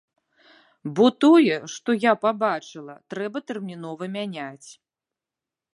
Бо тое, што я пабачыла, трэба тэрмінова мяняць.